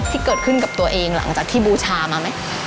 ที่เกิดขึ้นกับตัวเองหลังจากที่บูชามาไหม